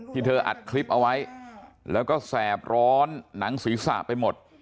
เธออัดคลิปเอาไว้แล้วก็แสบร้อนหนังศีรษะไปหมด